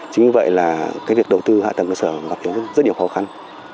chính vì vậy là cái việc đầu tư hạ tầng cơ sở gặp rất nhiều khó khăn